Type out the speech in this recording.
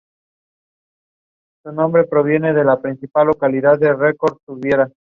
Lo mismo puede repetirse para cada elemento.